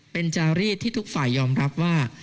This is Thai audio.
เป็นจารีสที่ทุกฝ่ายยอมรับว่า